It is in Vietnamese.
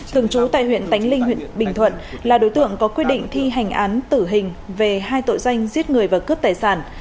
thường trú tại huyện tánh linh huyện bình thuận là đối tượng có quyết định thi hành án tử hình về hai tội danh giết người và cướp tài sản